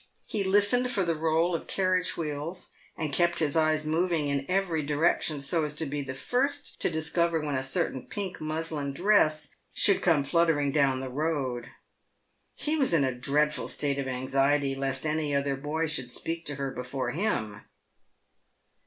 He listened for the roll of carriage wheels, and kept his eyes moving in every direction so as to be the first to discover when a certain pink muslin dress should come fluttering down the road. He was in a dreadful state of anxiety lest any other boy should speak to her before him.